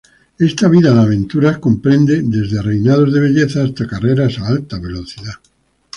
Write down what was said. Esta vida de aventuras comprende desde reinados de belleza hasta carreras a alta velocidad.